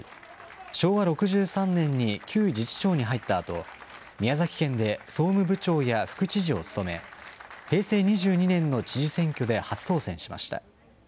昭和６３年に旧自治省に入ったあと、宮崎県で総務部長や副知事を務め、平成２２年の知事選挙で初当選しました。